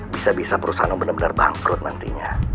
bisa bisa perusahaan om bener bener bangkrut nantinya